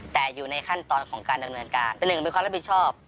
แต่อยู่ในขั้นตอนของการดำเนินการเป็นหนึ่งเป็นความรับผิดชอบ